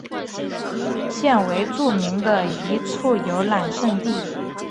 现为著名的一处游览胜地。